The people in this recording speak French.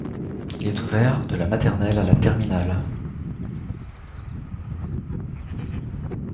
Il est ouvert de la maternelle à la terminale.